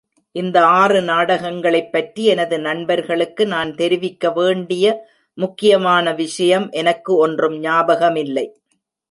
இந்த ஆறு நாடகங்களைப் பற்றி எனது நண்பர்களுக்கு நான் தெரிவிக்க வேண்டிய முக்கியமான விஷயம் எனக்கு ஒன்றும் ஞாபகமில்லை.